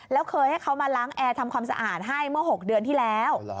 แล้วเคยให้เขามาล้างแอร์ทำความสะอาดให้เมื่อ๖เดือนที่แล้ว